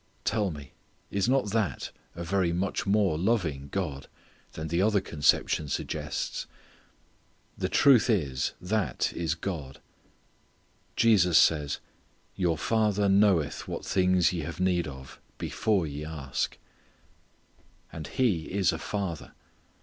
Tell me, is not that a very much more loving God than the other conception suggests? The truth is that is God. Jesus says, "Your Father knoweth what things ye have need of before ye ask." And He is a Father.